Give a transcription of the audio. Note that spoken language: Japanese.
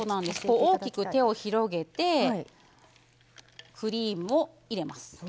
大きく手を広げてクリームを入れます。